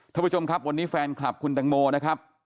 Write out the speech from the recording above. ท่านผู้ชมครับวันนี้แฟนคลับคุณตังโมนะครับ